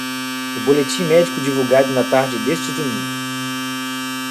O boletim médico divulgado na tarde deste domingo.